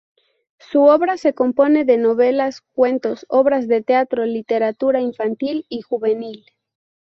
Su obra se compone de novelas, cuentos, obras de teatro, literatura infantil y juvenil.